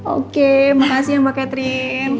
oke makasih mbak catherine